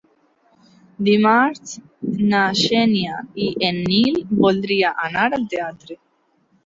Dimarts na Xènia i en Nil voldria anar al teatre.